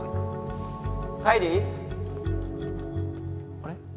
あれ？